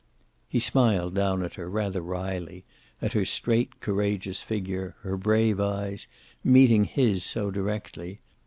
He smiled down at her, rather wryly, at her straight courageous figure, her brave eyes, meeting his so directly.